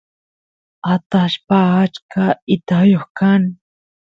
atashpa achka itayoq kan